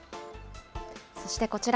そしてこちら。